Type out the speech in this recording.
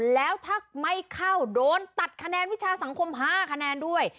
แล้วถ้าไม่เข้าโดนตัดคะแนนวิชาสังคม๕คะแนนด้วย